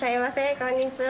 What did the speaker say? こんにちは。